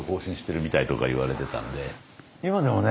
今でもね